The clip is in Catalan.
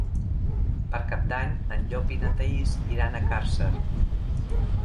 Per Cap d'Any en Llop i na Thaís iran a Càrcer.